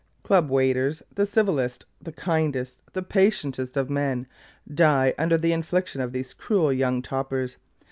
Club waiters, the civilest, the kindest, the patientest of men, die under the infliction of these cruel young topers.